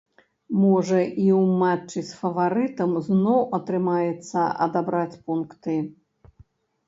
Можа, і ў матчы з фаварытам зноў атрымаецца адабраць пункты.